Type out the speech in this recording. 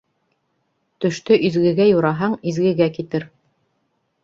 Төштө изгегә юраһаң, изгегә китер.